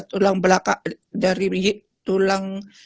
tulang belakang dari tulang